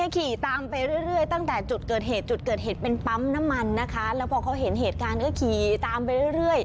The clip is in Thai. ข้าสะเบียนขอไข่ขอฉิงกอกไก่สลับลี๕๐๕